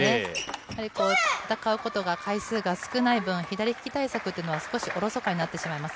やはり戦うことが、回数が少ない分、左利き対策というのは少しおろそかになってしまいます。